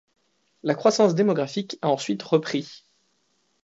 La croissance démographique a ensuite repris.